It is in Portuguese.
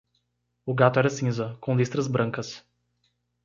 O gato era cinza, com listras brancas.